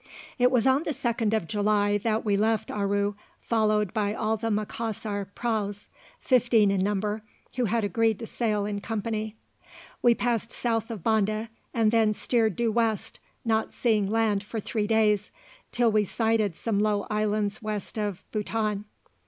It was on the 2d of July that we left Aru, followed by all the Macassar praus, fifteen in number, who had agreed to sail in company. We passed south of Banda, and then steered due west, not seeing land for three days, till we sighted some low islands west of Bouton.